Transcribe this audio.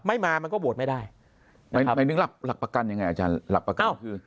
ไม่มามันก็โหวตไม่ได้หมายถึงหลักหลักประกันยังไงอาจารย์หลักประกันคือ